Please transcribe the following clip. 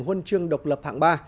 huân trường độc lập hạng ba